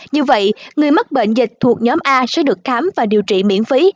như vậy người mắc bệnh dịch thuộc nhóm a sẽ được khám và điều trị miễn phí